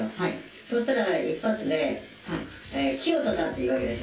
そしたら、一発でキヨトだって言うんですよ。